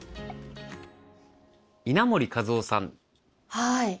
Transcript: はい。